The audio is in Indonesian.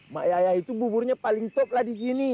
mak yaya itu buburnya paling top lah di sini